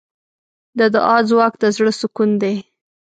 د دعا ځواک د زړۀ سکون دی.